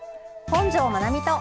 本上まなみと。